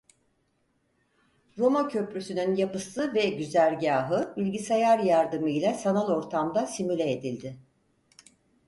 Roma köprüsünün yapısı ve güzergâhı bilgisayar yardımıyla sanal ortamda simüle edildi.